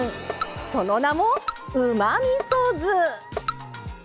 その名もうまみそ酢。